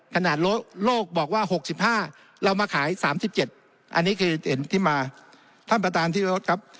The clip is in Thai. ขนาดโลกบอกว่า๖๕เรามาขาย๓๗อันนี้คือเห็นที่มาท่านประธานที่รถครับ